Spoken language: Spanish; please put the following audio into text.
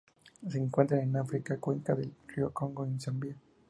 Se encuentran en África: cuenca del río Congo en Zambia.